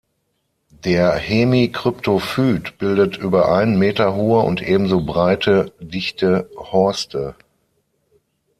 Der Hemikryptophyt bildet über einen Meter hohe und ebenso breite, dichte Horste.